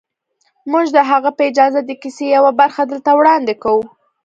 موږ د هغه په اجازه د کیسې یوه برخه دلته وړاندې کوو